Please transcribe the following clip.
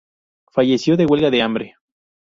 Falleció de huelga de hambre.